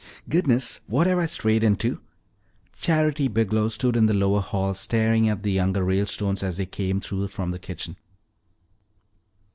"Goodness, what have I strayed into?" Charity Biglow stood in the lower hall staring at the younger Ralestones as they came through from the kitchen.